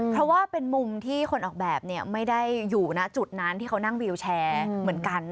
เพราะว่าเป็นมุมที่คนออกแบบไม่ได้อยู่นะจุดนั้นที่เขานั่งวิวแชร์เหมือนกัน